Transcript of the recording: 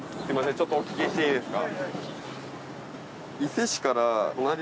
ちょっとお聞きしていいですか？